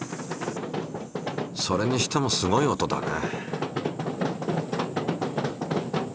それにしてもすごい音だね。